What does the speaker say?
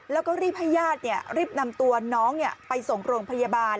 แล้วก็รีบให้ญาติรีบนำตัวน้องไปส่งโรงพยาบาล